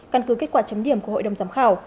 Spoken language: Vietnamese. căn cứ kết quả chấm điểm của hội đồng giám khảo